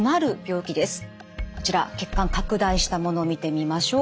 こちら血管拡大したもの見てみましょう。